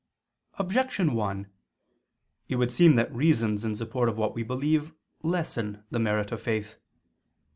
Objection 1: It would seem that reasons in support of what we believe lessen the merit of faith.